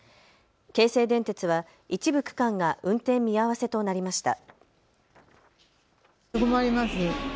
京成電鉄は一部区間が運転見合わせとなりました。